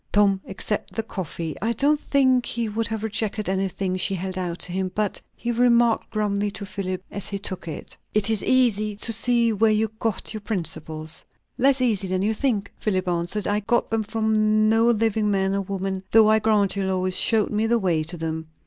Tom accepted the coffee; I don't think he could have rejected anything she held out to him; but he remarked grumly to Philip, as he took it, "It is easy to see where you got your principles!" "Less easy than you think," Philip answered. "I got them from no living man or woman, though I grant you, Lois showed me the way to them.